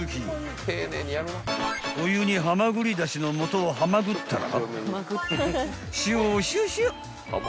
［お湯にはまぐりだしのもとをはまぐったら塩を少々］